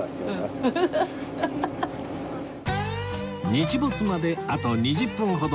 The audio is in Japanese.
日没まであと２０分ほど